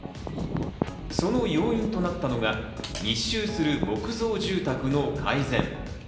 その要因となったのが密集する木造住宅の改善。